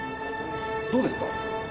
どうですか？